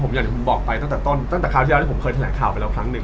ผมอยากให้คุณบอกไปตั้งแต่คราวที่เราเคยแถลงข่าวไปแล้วครั้งนึง